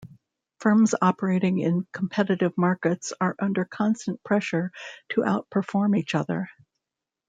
Firms operating in competitive markets are under constant pressure to out perform each other.